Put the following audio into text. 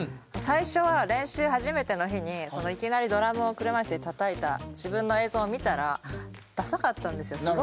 最初は練習初めての日にいきなりドラムを車いすでたたいた自分の映像を見たらダサかったんですよ